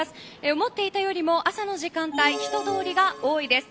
思っていたよりも朝の時間帯人通りが多いです。